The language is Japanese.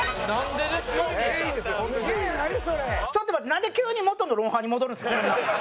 なんで急に元の『ロンハー』に戻るんですか？